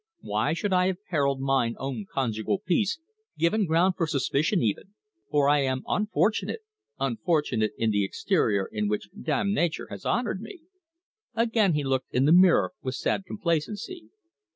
Why should I have perilled mine own conjugal peace, given ground for suspicion even for I am unfortunate, unfortunate in the exterior with which Dame Nature has honoured me!" Again he looked in the mirror with sad complacency.